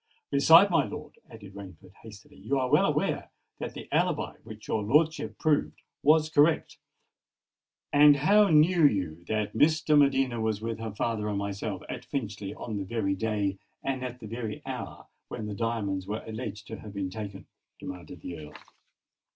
Besides, my lord," added Rainford hastily, "you are well aware that the alibi which your lordship proved was correct." "And how knew you that Miss de Medina was with her father and myself at Finchley on the very day, and at the very hour, when the diamonds were alleged to have been taken?" demanded the Earl.